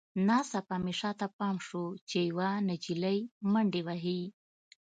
ناڅاپه مې شاته پام شو چې یوه نجلۍ منډې وهي